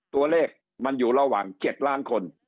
ตัวเลขมันอยู่ระหว่าง๗ล้านคน